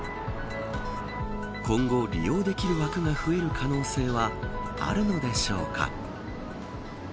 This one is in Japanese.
今後、利用できる枠が増える可能性はあるのでしょうか。